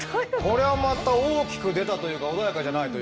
これはまた大きく出たというか穏やかじゃないというかね。